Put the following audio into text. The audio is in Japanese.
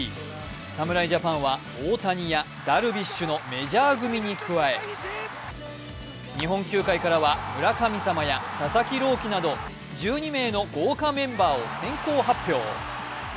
侍ジャパンは大谷やダルビッシュのメジャー組に加え日本球界からは村神様や佐々木朗希など１２名の豪華メンバーを先行発表。